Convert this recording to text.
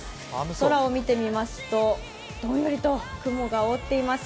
空を見てみますとどんよりと雲が覆っています。